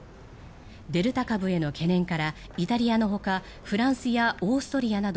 デルタ株への懸念からイタリアのほかフランスやオーストリアなど